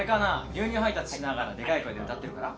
牛乳配達しながらでかい声で歌ってるから？